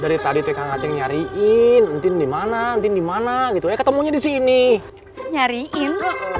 dari tadi tekan ngajeng nyariin ntn dimana ntn dimana gitu ya ketemunya disini nyariin